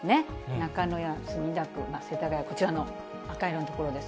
中野や墨田区、世田谷区、こちらの赤色の所です。